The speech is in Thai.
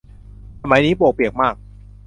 สมัยนี้ปวกเปียกมาก